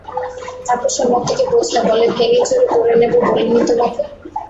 তারপর সে মতিকে বোঝায় বলে, ভেঙেচুরে গড়ে নেব বলিনি তোমাকে?